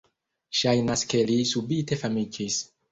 Ŝajnas ke li subite famiĝis."